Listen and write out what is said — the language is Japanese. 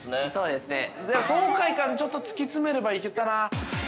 でも、爽快感ちょっと突き詰めればいけたなぁ。